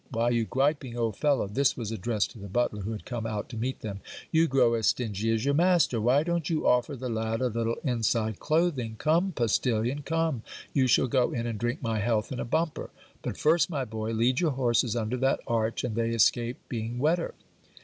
'Why you griping old fellow,' this was addressed to the butler, who had come out to meet them, 'you grow as stingy as your master! Why don't you offer the lad a little inside clothing? Come, postilion, come, you shall go in and drink my health in a bumper. But first, my boy, lead your horses under that arch, and they escape being wetter.'